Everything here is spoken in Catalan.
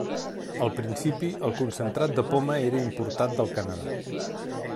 Al principi, el concentrat de poma era importat del Canadà.